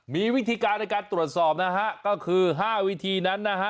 มีวิธีการในการตรวจสอบนะฮะก็คือ๕วิธีนั้นนะฮะ